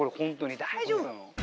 大丈夫なの？